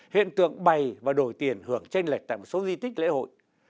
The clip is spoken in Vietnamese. hiện tượng bày và đổi tiền hưởng tranh lệch tại một số di tích lễ hội